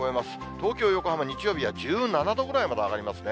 東京、横浜、日曜日は１７度ぐらいまで上がりますね。